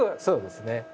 そうですね。